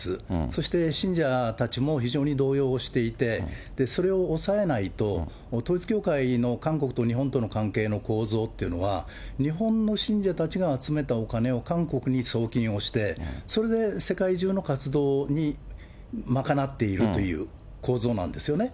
そして、信者たちも非常に動揺をしていて、それを抑えないと、統一教会の韓国と日本との関係の構造っていうのは、日本の信者たちが集めたお金を韓国に送金をして、それで世界中の活動に賄っているという構造なんですよね。